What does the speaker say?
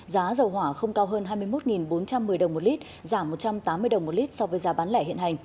giá dầu hỏa không cao hơn hai mươi một bốn trăm một mươi đồng một lít giảm một trăm tám mươi đồng một lít so với giá bán lẻ hiện hành